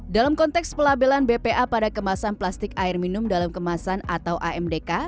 dalam konteks pelabelan bpa pada kemasan plastik air minum dalam kemasan atau amdk